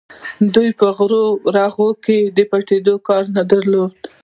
دوی به په غرونو او راغو کې د پټېدو ځای نه درلود.